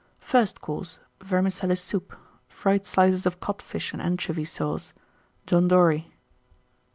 FIRST COURSE. Vermicelli Soup. Fried Slices of Codfish and Anchovy Sauce. John Dory.